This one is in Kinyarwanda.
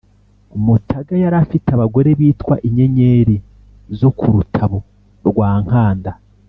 mutaga yari afite abagore bitwa inyenyeri zo ku rutabo rwa nkanda